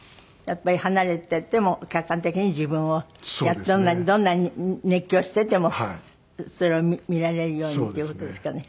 やっぱり離れていても客観的に自分をどんなにどんなに熱狂していてもそれを見られるようにっていう事ですかね。